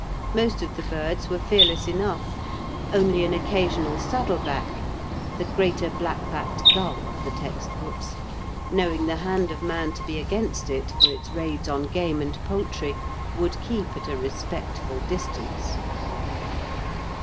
Most of the birds were fearless enough; only an occasional "saddleback" the greater black backed gull of the text books knowing the hand of man to be against it for its raids on game and poultry, would keep at a respectful distance.